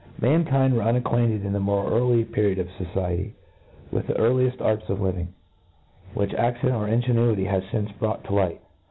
Mankind were unacquainted, in the more early period of fociety, with the cafier arts of living, which accident or ingenuity has fince brought to Ught.